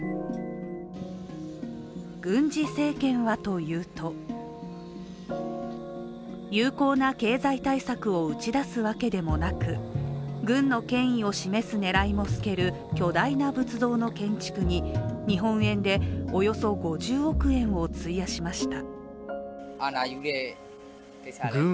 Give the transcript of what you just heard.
軍事政権はというと有効な経済対策を打ち出すわけでもなく軍の権威を示す狙いも透ける巨大な仏像の建築に日本円でおよそ５０億円を費やしました。